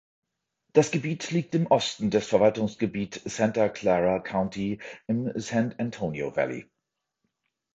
Das Gebiet liegt im Osten des Verwaltungsgebiet Santa Clara County im San Antonio Valley.